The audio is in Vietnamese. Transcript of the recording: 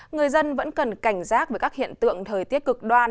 người dân vẫn cần cảnh giác với các hiện tượng thời tiết cực đoan